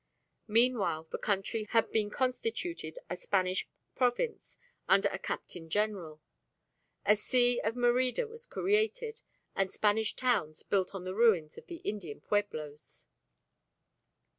Meanwhile the country had been constituted a Spanish province under a Captain General; a see of Merida was created, and Spanish towns built on the ruins of the Indian pueblos.